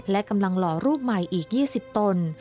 และกำลังหล่อรูปใหม่อีก๒๐ตน